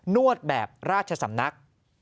นวดแบบราชสำนัก